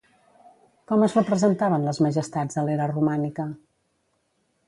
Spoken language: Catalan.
Com es representaven les majestats a l'era romànica?